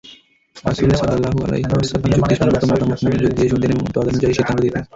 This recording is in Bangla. রাসূল সাল্লাল্লাহু আলাইহি ওয়াসাল্লাম যুক্তিসঙ্গত মতামত মনোযোগ দিয়ে শুনতেন এবং তদানুযায়ী সিদ্ধান্ত দিতেন।